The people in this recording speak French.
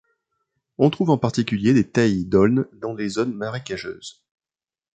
On trouve en particulier des taillis d’aulnes dans les zones marécageuses.